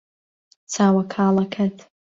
چاوە کاڵەکەت